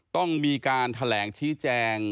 ต้องมีการแถลงชี้แจง